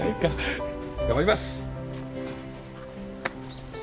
頑張ります！